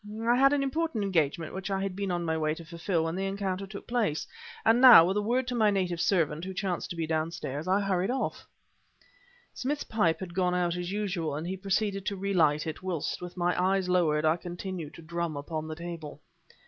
I had an important engagement which I had been on my way to fulfil when the encounter took place, and now, with a word to my native servant who chanced to be downstairs I hurried off." Smith's pipe had gone out as usual, and he proceeded to relight it, whilst, with my eyes lowered, I continued to drum upon the table.